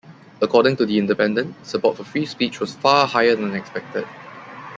According to "The Independent", support for free speech was far higher than expected.